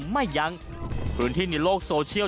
ไม่ยั้งพื้นที่ในโลกโซเชียล